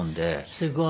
すごい。